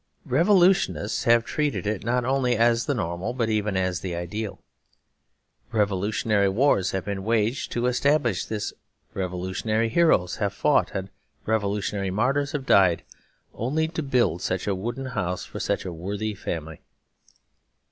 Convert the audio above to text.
Revolutionists have treated it not only as the normal but even as the ideal. Revolutionary wars have been waged to establish this; revolutionary heroes have fought, and revolutionary martyrs have died, only to build such a wooden house for such a worthy family.